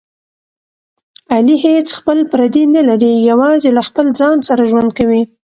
علي هېڅ خپل پردی نه لري، یوازې له خپل ځان سره ژوند کوي.